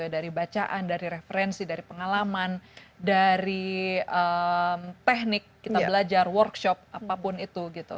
dari bacaan dari referensi dari pengalaman dari teknik kita belajar workshop apapun itu gitu